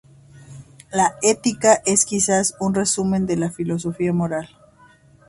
La "Ética" es quizá un resumen de su filosofía moral.